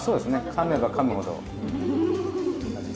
かめばかむほど。